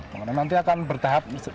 pengenalan nanti akan bertahap